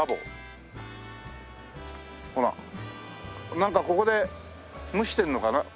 なんかここで蒸してるのかな？